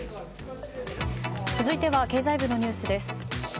続いては経済部のニュースです。